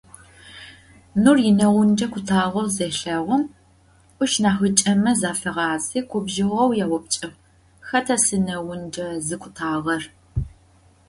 Нур инэгъунджэ къутагъэу зелъэгъум, ышнахьыкӀэмэ зафигъази губжыгъэу яупчӀыгъ: «Хэта синэгъунджэ зыкъутагъэр?».